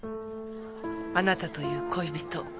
あなたという恋人。